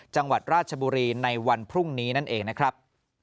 จังหวัดราชบุรีในวันพรุ่งนี้นั่นเองนะครับ